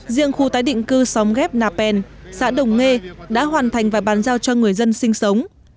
riêng khu tái định cư xóm ghép nà pèn xã đồng nghê đã hoàn thành và bàn giao cho người dân sinh sống